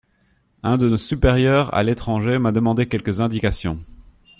Un de nos supérieurs à l'étranger m'a demandé quelques indications.